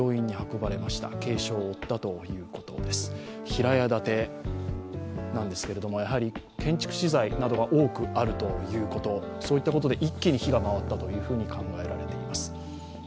平屋建てなんですけど、やはり建築資材が多くあるということ、そういったことで一気に火が回ったと考えられています。